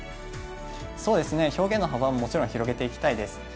表現の幅ももちろん広げていきたいです。